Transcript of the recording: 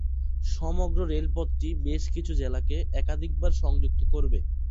সমগ্র রেলপথটি বেশকিছু জেলাকে একাধিকবার সংযুক্ত করবে।